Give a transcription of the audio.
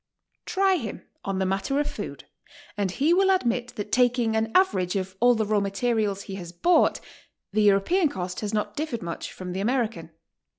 Try him on the matter of food and he will admit that taking an average of all HOW TO STAY. 147 the raw materials he has bought, the European cost has not differed much from the American.